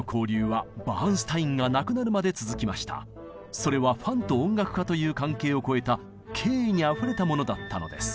それはファンと音楽家という関係を超えた敬意にあふれたものだったのです。